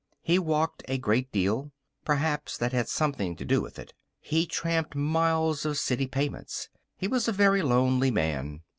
He walked a great deal. Perhaps that had something to do with it. He tramped miles of city pavements. He was a very lonely man.